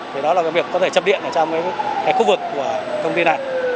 thì đó là việc có thể chập điện trong khu vực của công ty này